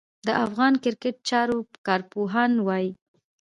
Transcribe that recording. د افغان کرېکټ چارو کارپوهان وايي